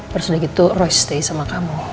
bersudah gitu roy stay sama kamu